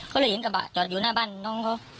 ก็เลยเห็นกระบะจอดอยู่หน้าบ้านน้องเขา